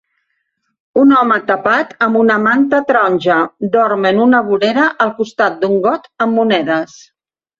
Un home, tapat amb una manta taronja, dorm en una vorera al costat d'un got amb monedes